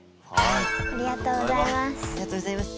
ありがとうございます。